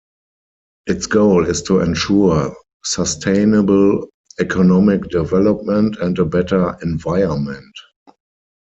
Its goal is to ensure sustainable economic development and a better environment.